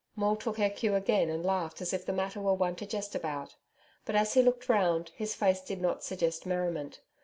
Maule took her cue again and laughed as if the matter were one to jest about. But as he looked round, his face did not suggest merriment.